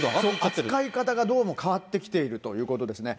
扱い方がどうも変わってきているということですね。